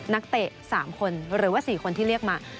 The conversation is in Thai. นักเตะ๓คนหรือว่า๔คนที่เรียกมา